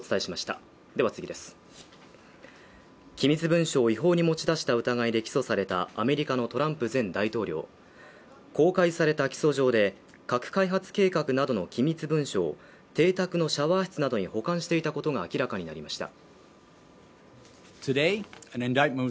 機密文書を違法に持ち出した疑いで起訴されたアメリカのトランプ前大統領公開された起訴状で、核開発計画などの機密文書を邸宅のシャワー室などに保管していたことが明らかになりました。